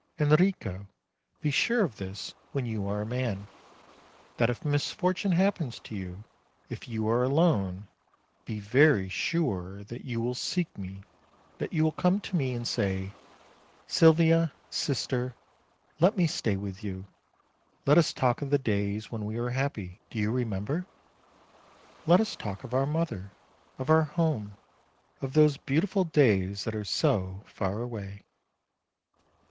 Enrico, be sure of this when you are a man, that if misfortune happens to you, if you are alone, be very sure that you will seek me, that you will come to me and say : "Sylvia, sister, let me stay with you ; let us talk of the days when we were happy do you remember? Let us talk of our mother, of our home, of those beautiful days that are so far away."